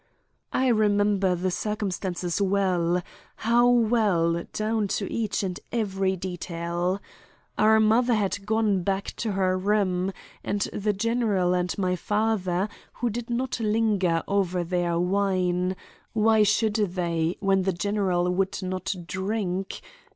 "'I remember the circumstances well, how well down to each and every detail. Our mother had gone back to her room, and the general and my father, who did not linger over their wine—why should they, when the general would not drink?